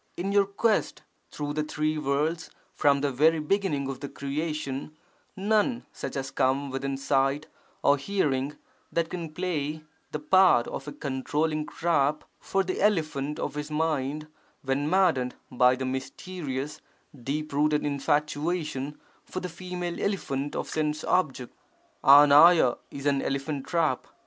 In our quest through the three worlds from the very beginning of their creation, none such has come within sight or hearing, that can play the part of a controlling trap for the elephant of his mind when maddened by the mysterious, deep rooted infatuation for the female elephant of sense object. [3TRFT is an elephant trap.